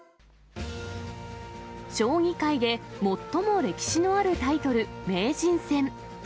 将棋界で最も歴史のあるタイトル、名人戦。